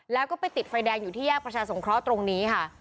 แล้วก็ไปติดไฟแดงอยู่ที่แยกประชาสงเคราะห์ตรงนี้ค่ะ